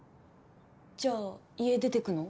じゃあ家出てくの？